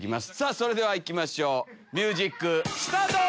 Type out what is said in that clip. それでは行きましょうミュージックスタート。